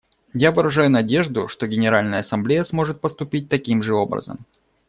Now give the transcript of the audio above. Я выражаю надежду, что Генеральная Ассамблея сможет поступить таким же образом.